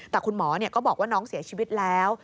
แต่คุณหมอก็บอกว่าน้องเสียชีวิตแล้ว